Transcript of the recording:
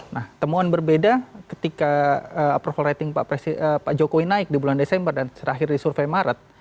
nah temuan berbeda ketika approval rating pak jokowi naik di bulan desember dan terakhir di survei maret